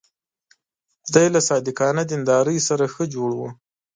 دی له صادقانه دیندارۍ سره ښه جوړ و.